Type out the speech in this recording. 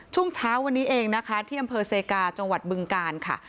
ช่วงเช้าวันนี้เองนะคะที่อำเภอเซกาจังหวัดบึงกาลค่ะ